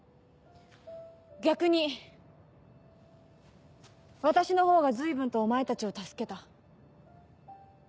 逆に私のほうが随分とお前たちを助けた。